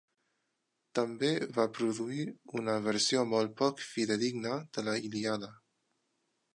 També va produir una versió molt poc fidedigna de la "Ilíada".